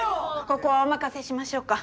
ここはお任せしましょうか。